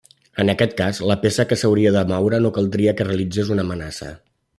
En aquest cas, la peça que s'hauria de moure no caldria que realitzés una amenaça.